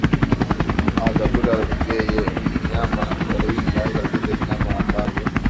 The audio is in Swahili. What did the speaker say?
a yvakula vyeye nyama kwa wingi hasa zile nyama ambazo